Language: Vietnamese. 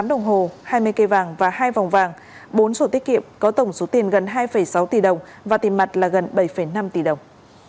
tám đồng hồ hai mươi cây vàng và hai vòng vàng bốn sổ tiết kiệm có tổng số tiền gần hai sáu tỷ đồng và tiền mặt là gần bảy năm tỷ đồng